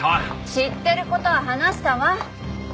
知ってる事は話したわ。